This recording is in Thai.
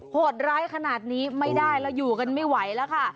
โหดร้ายขนาดนี้ไม่ได้แล้วอยู่กันไม่ไหวแล้วค่ะ